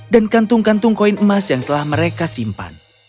dan kantung kantung koin emas yang telah mereka simpan